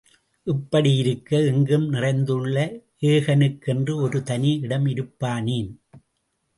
இப்படி இருக்க, எங்கும் நிறைந்துள்ள ஏகனுக்கென்று ஒரு தனி இடம் இருப்பானேன்?